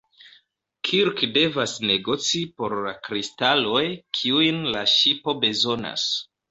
Kirk devas negoci por la kristaloj, kiujn la ŝipo bezonas.